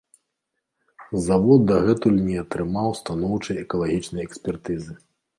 Завод дагэтуль не атрымаў станоўчай экалагічнай экспертызы.